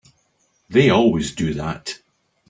They always do that.